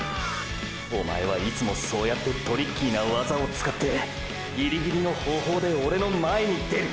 おまえはいつもそうやってトリッキーなワザを使ってギリギリの方法でオレの前に出る！！